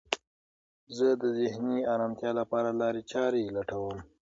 زه د ذهني ارامتیا لپاره لارې چارې لټوم.